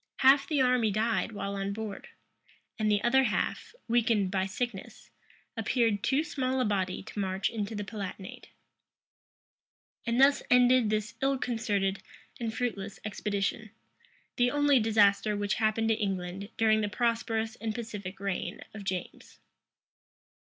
Half the army died while on board; and the other half, weakened by sickness, appeared too small a body to march into the Palatinate.[*] {1625.} And thus ended this ill concerted and fruitless expedition; the only disaster which happened to England during the prosperous and pacific reign of James.